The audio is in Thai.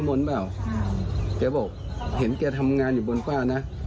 พี่มนต์เปล่าเจ๊บอกเห็นแกทำงานอยู่บนป้านะ